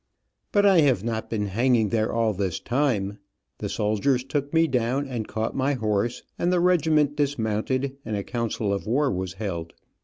But I have not been hanging there all this time. The soldiers took me down, and caught my horse, and the regiment dismounted and a council of war was held.